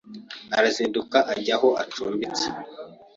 Arazinduka ajya aho acumbitse